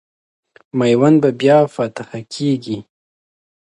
میوند به بیا فتح کېږي.